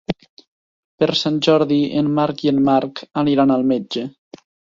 Per Sant Jordi en Marc i en Marc aniran al metge.